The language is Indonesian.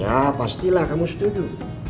ya pastilah kamu setuju